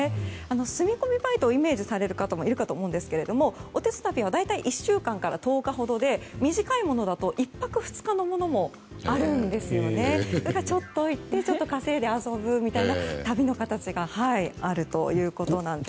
住み込みバイトをイメージされる方もいると思うんですがおてつたびは大体１週間から１０日ほどで短いものだと１泊２日のものもあるのでちょっと行ってちょっと稼いで遊ぶみたいな旅の形があるということなんです。